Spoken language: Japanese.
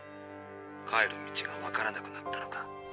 帰る道がわからなくなったのか？